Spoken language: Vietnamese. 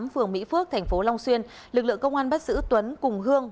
phường mỹ phước thành phố long xuyên lực lượng công an bắt giữ tuấn cùng hương